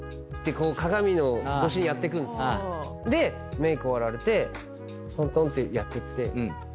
メーク終わられてトントンってやってきて。